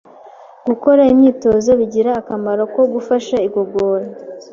Gukora imyitozo bigira akamaro ko gufasha igogora,